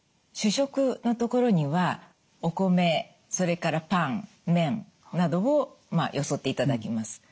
主食のところにはお米それからパン麺などをまあよそっていただきます。